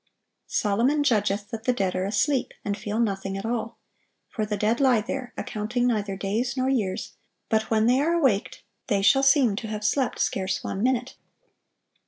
Solomon judgeth that the dead are asleep, and feel nothing at all. For the dead lie there, accounting neither days nor years, but when they are awaked, they shall seem to have slept scarce one minute."